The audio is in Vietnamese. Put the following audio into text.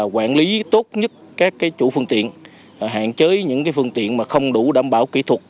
quản lý tốt nhất các chủ phương tiện hạn chế những phương tiện mà không đủ đảm bảo kỹ thuật